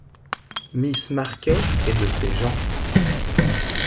Miss Marquet est de ces gens.